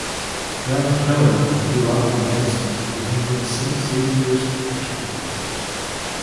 Young Hillerman grew up in Denison and attended Saint Xavier's Academy.